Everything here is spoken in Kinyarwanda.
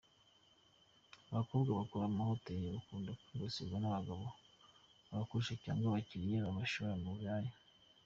Abakobwa bakora mu mahoteli bakunda kwibasirwa n’abagabo babakoresha cyangwa abakiliya babashora mu buraya.